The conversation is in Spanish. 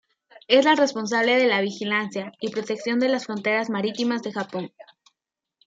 Es la responsable de la vigilancia y protección de las fronteras marítimas de Japón.